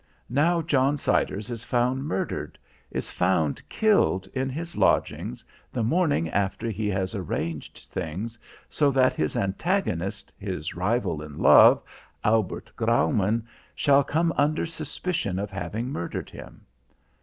"Now John Siders is found murdered is found killed, in his lodgings, the morning after he has arranged things so that his antagonist, his rival in love, Albert Graumann, shall come under suspicion of having murdered him.